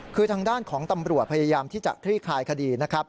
คือทางด้านของตำรวจพยายามที่จะคลี่คลายคดีนะครับ